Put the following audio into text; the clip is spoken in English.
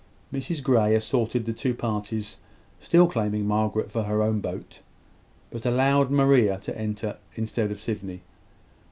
Mrs Grey assorted the two parties, still claiming Margaret for her own boat, but allowing Maria to enter instead of Sydney.